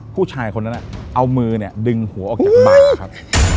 ผู้ชายคนนั้นเอามือดึงหัวออกจากบ้านครับ